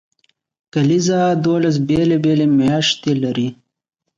کلیزه دولس بیلې بیلې میاشتې لري.